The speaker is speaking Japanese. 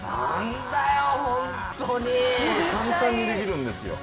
簡単にできるんですよ。